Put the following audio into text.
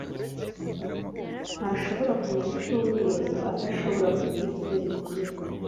ntashobora kumara icyumweru adashobora kurya ibiryo bikomeye.